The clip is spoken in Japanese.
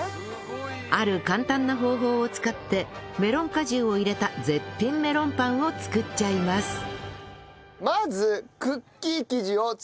ある簡単な方法を使ってメロン果汁を入れた絶品メロンパンを作っちゃいますという事ですね。